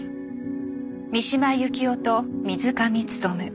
三島由紀夫と水上勉。